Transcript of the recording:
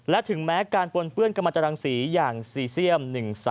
และถึงแม้การปนเปื้อนกรรมตรังสีอย่างซีเซียม๑๒